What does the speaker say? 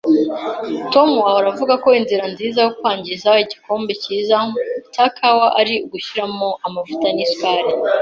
Tom ahora avuga ko inzira nziza yo kwangiza igikombe cyiza cya kawa ari ugushiramo amavuta nisukari